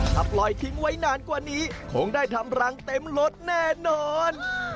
ถ้าปล่อยทิ้งไว้นานกว่านี้คงได้ทำรังเต็มรถแน่นอน